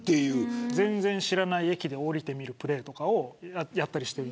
全然知らない駅で降りてみるプレーとかをやっている。